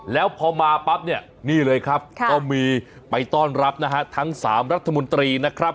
แล้วพอมาปั๊บเนี่ยนี่เลยครับก็มีไปต้อนรับนะฮะทั้ง๓รัฐมนตรีนะครับ